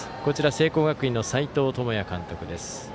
聖光学院の斎藤智也監督です。